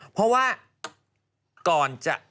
เพราะว่าก่อนจะ